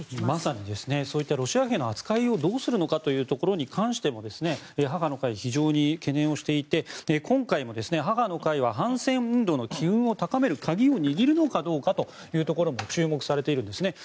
まさにそういったロシア兵の扱いをどうするのかということに関しても母の会非常に懸念をしていて今回、母の会は反戦運動の機運を高める鍵になるのかと注目されているんです。